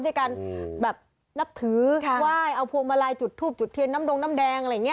ด้วยการแบบนับถือไหว้เอาพวงมาลัยจุดทูบจุดเทียนน้ำดงน้ำแดงอะไรอย่างนี้